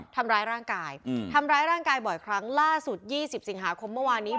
ทำร้ายร่างกายทำร้ายร่างกายบ่อยครั้งล่าสุด๒๐สิงหาคมเมื่อวานนี้